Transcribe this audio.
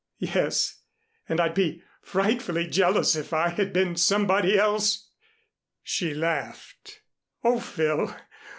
"Yes, and I'd be frightfully jealous if I had been somebody else." She laughed. "Oh, Phil!